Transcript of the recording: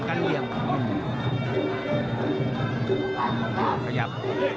เพื่อขยับ